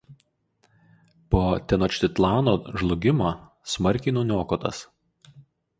Po Tenočtitlano žlugimo smarkiai nuniokotas.